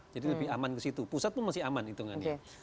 jadi lebih aman ke situ pusat pun masih aman hitungannya